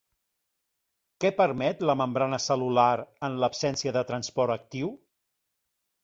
Què permet la membrana cel·lular en l'absència de transport actiu?